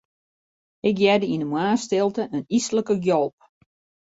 Ik hearde yn 'e moarnsstilte in yslike gjalp.